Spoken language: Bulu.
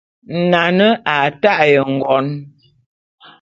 Nane a ta'e ngon.